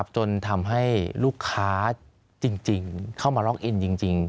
จนทำให้ลูกค้าจริงเข้ามาล็อกเอ็นจริง